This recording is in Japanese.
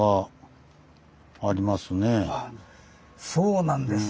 そうなんです。